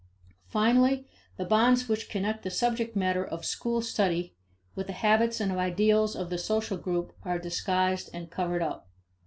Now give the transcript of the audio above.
Finally, the bonds which connect the subject matter of school study with the habits and ideals of the social group are disguised and covered up.